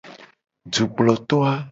Dukploto a.